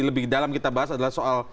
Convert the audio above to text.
lebih dalam kita bahas adalah soal